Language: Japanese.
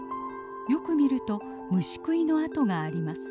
よく見ると虫食いの跡があります。